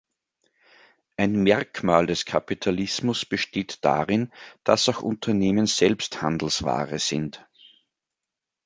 Ein Merkmal des Kapitalismus besteht darin, dass auch Unternehmen selbst Handelsware sind.